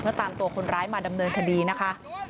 เพื่อตามตัวคนร้ายมาดำเนินคดีนะคะ